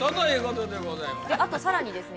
あとさらにですね